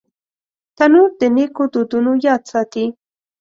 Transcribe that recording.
تنور د نیکو دودونو یاد ساتي